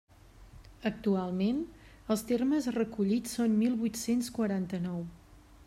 Actualment, els termes recollits són mil vuit-cents quaranta-nou.